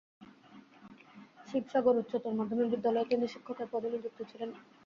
শিবসাগর উচ্চতর মাধ্যমিক বিদ্যালয়ে তিনি শিক্ষকের পদে নিযুক্তি ছিলেন।